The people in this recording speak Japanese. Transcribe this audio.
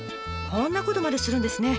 こんなことまでするんですね。